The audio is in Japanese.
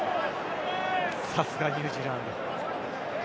さすがニュージーランド。